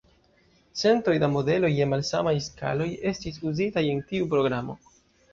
Centoj da modeloj je malsamaj skaloj estis uzitaj en tiu programo.